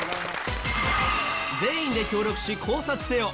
全員で協力し考察せよ。